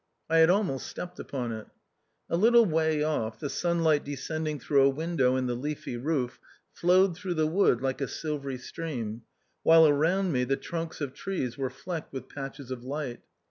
I had almost stepped upon it. A little way off, the sun light descending through a window in the leafy roof flowed through the wood like a silvery stream, while around me the trunks of trees were flecked with patches of light.